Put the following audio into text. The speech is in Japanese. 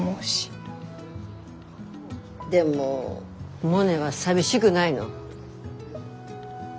でもモネは寂しぐないの？